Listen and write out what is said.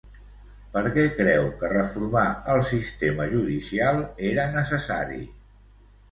Per què creu que reformar el sistema judicial era necessari?